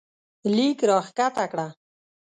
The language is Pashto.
لیک راښکته کړه